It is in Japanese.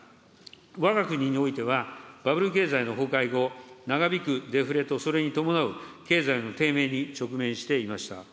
わが国においては、バブル経済の崩壊後、長引くデフレとそれに伴う経済の低迷に直面していました。